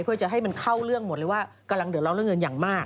เพื่อจะให้มันเข้าเรื่องหมดเลยว่ากำลังเดือดร้อนเรื่องเงินอย่างมาก